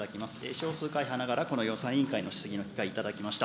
少数会派ながら、この予算委員会の質疑の機会頂きました。